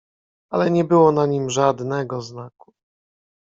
"Ale nie było na nim żadnego znaku."